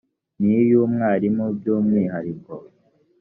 n iy umwarimu by umwihariko